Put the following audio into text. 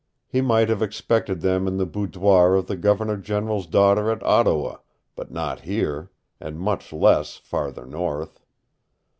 He might have expected them in the boudoir of the Governor General's daughter at Ottawa, but not here and much less farther north.